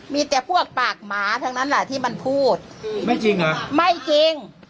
มีแต่พวกปากหมาทั้งนั้นแหละที่มันพูดไม่จริงเหรอไม่จริง